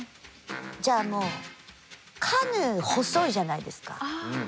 じゃあもうカヌー細いじゃないですか。